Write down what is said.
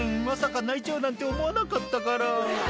「まさか泣いちゃうなんて思わなかったから」